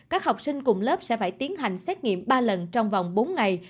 các học sinh cùng lớp sẽ phải tiến hành xét nghiệm ba lần trong vòng bốn ngày